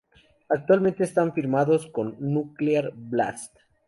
Actualmente están firmados con Nuclear Blast.